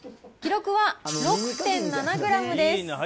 記録は６．７グラムです。